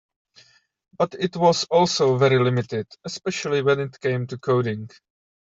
But it was also very limited, especially when it came to coding.